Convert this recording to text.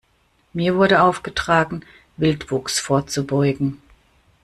Mir wurde aufgetragen, Wildwuchs vorzubeugen.